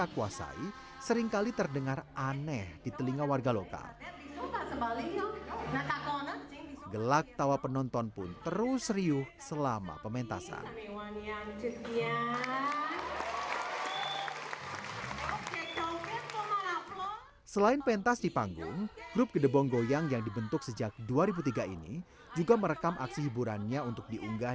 mungkin minatnya agak berkurang